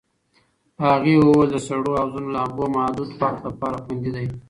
هغې وویل د سړو حوضونو لامبو محدود وخت لپاره خوندي دی.